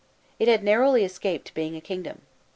It had narrowly escaped being a kingdom.